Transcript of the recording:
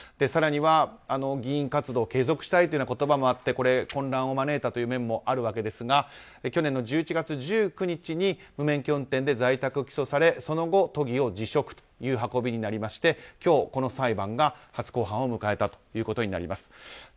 更には議員活動を継続したいという言葉もあって混乱を招いた面もあるんですが去年の１１月１９日に無免許運転で在宅起訴されその後、都議を辞職という運びになりまして今日、この裁判が初公判を迎えたということになります。